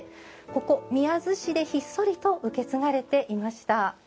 ここ宮津市でひっそりと受け継がれていました。